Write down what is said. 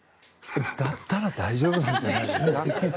だったら大丈夫じゃないですか。